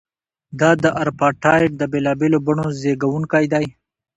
دا د اپارټایډ د بېلابېلو بڼو زیږوونکی دی.